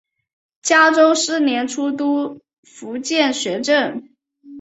嘉庆四年出督福建学政。